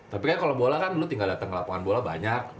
tapi kan kalau bola kan dulu tinggal datang ke lapangan bola banyak